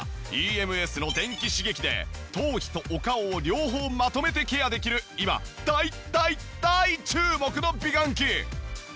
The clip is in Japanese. ＥＭＳの電気刺激で頭皮とお顔を両方まとめてケアできる今大大大注目の美顔器！